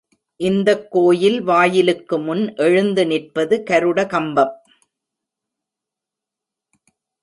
இந்தக் கோயில் வாயிலுக்கு முன் எழுந்து நிற்பது கருடகம்பம்.